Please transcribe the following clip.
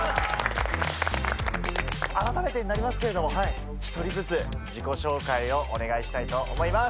改めてになりますけれども１人ずつ自己紹介をお願いしたいと思います。